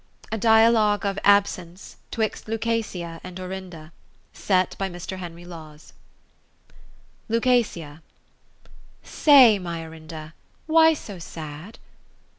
A Dialogrue of Absence 'twixt Lucasia and Orinda. Set by Mr. Hen. Lawes Luc. Say, my Orinda, why so sad